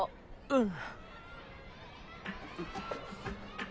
うん。